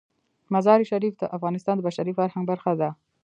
مزارشریف د افغانستان د بشري فرهنګ برخه ده.